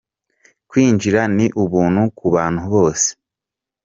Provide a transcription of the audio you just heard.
Kwinjira ni ubuntu ku bantu bose.